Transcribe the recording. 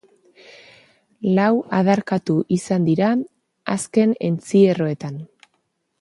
Lau adarkatu izan dira azken entzierroetan.